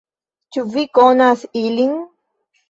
Ĉu vi konas ilin?